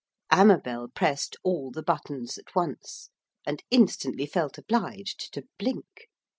Amabel pressed all the buttons at once, and instantly felt obliged to blink.